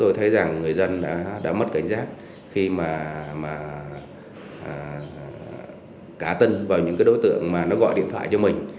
tôi thấy rằng người dân đã mất cảnh giác khi mà cá tân vào những đối tượng mà nó gọi điện thoại cho mình